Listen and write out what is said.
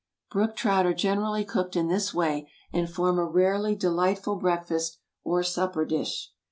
Brook trout are generally cooked in this way, and form a rarely delightful breakfast or supper dish.